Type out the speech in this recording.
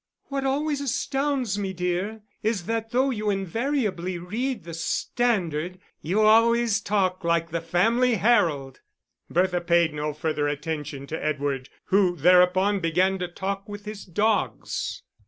"What always astounds me, dear, is that though you invariably read the Standard you always talk like the Family Herald!" Bertha paid no further attention to Edward, who thereupon began to talk with his dogs.